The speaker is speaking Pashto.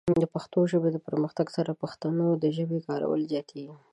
د پښتو ژبې د پرمختګ سره، د پښتنو د ژبې کارول زیاتېږي.